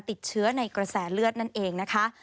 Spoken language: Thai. ติดเชื้อในกระแสเลือดนั่นเองนะคะ